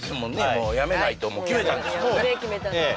もうやめないともう決めたんですもんね